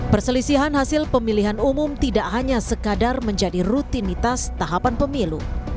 perselisihan hasil pemilihan umum tidak hanya sekadar menjadi rutinitas tahapan pemilu